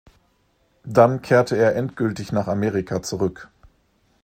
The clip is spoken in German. Dann kehrte er endgültig nach Amerika zurück.